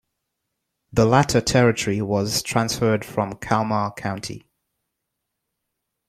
The latter territory was transferred from Kalmar County.